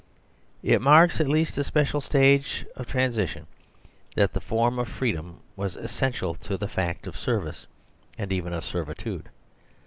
It marks at least a special stage of transition that the form of freedom was essential to the fact of service, or even of servitude.